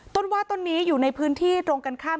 ต้นว่าต้นนี้อยู่ในพื้นที่ตรงกันข้าม